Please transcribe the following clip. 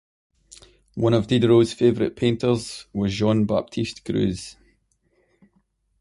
One of Diderot's favorite painters was Jean-Baptiste Greuze.